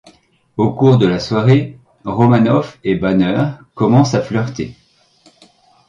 Au cours de la soirée, Romanoff et Banner commencent à flirter.